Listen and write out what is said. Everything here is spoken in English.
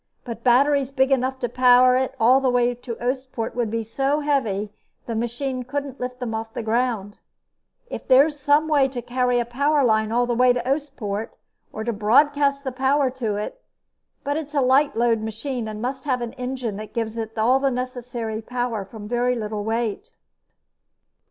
But batteries big enough to power it all the way to Oostpoort would be so heavy the machine couldn't lift them off the ground. If there were some way to carry a power line all the way to Oostpoort, or to broadcast the power to it.... But it's a light load machine, and must have an engine that gives it the necessary power from very little weight."